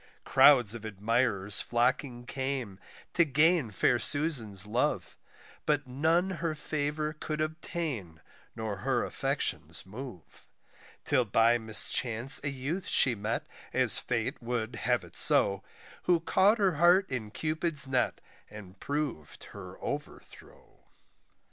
Crowds of admirers flocking came, to gain fair Susan's love; But none her favour could obtain, nor her affections move, Till by mischance a youth she met, as fate would have it so, Who caught her heart in Cupid's net and prov'd her overthrow.